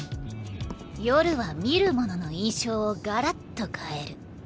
夜は見るものの印象をガラッと変える。